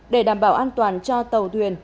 để đảm bảo an toàn cho tàu thuyền